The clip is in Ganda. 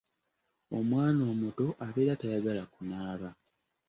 Omwana omuto abeera tayagala kunaaba.